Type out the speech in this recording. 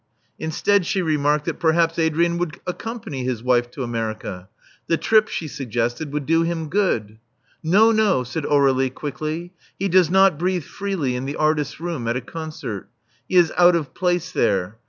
Instead, she remarked that perhaps Adrian would accompany his wife to America. The trip, she suggested, would do him good. No, no," said Aurflie, quickly. "He does not breathe freely in the artists' room at a concert. He is out of place there.